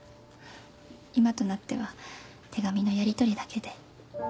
今となっては手紙のやりとりだけで。